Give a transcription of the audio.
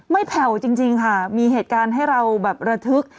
แผ่วจริงค่ะมีเหตุการณ์ให้เราแบบระทึก